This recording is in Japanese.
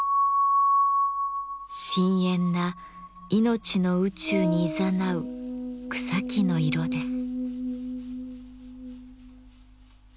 深えんないのちの宇宙にいざなう草木の色です。